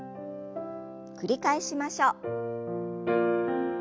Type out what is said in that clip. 繰り返しましょう。